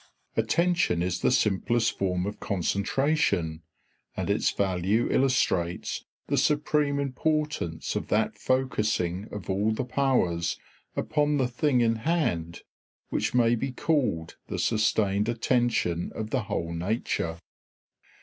Attention is the simplest form of concentration, and its value illustrates the supreme importance of that focussing of all the powers upon the thing in hand which may be called the sustained attention of the whole nature.